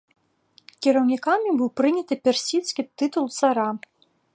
Кіраўнікамі быў прыняты персідскі тытул цара.